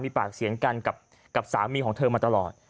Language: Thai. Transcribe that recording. มีปากเสียงกันกับสามีของเธอมาตลอด